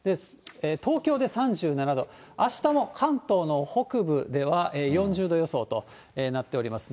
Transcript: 東京で３７度、あしたの関東の北部では４０度予想となっております。